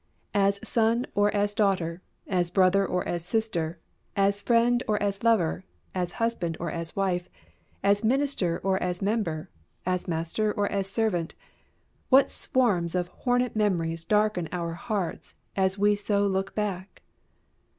As son or as daughter, as brother or as sister, as friend or as lover, as husband or as wife, as minister or as member, as master or as servant what swarms of hornet memories darken our hearts as we so look back!